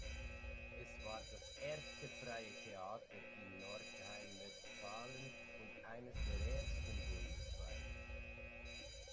Es war das erste freie Theater in Nordrhein-Westfalen und eines der ersten bundesweit.